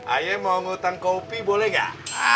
ayah mau ngutang kopi boleh gak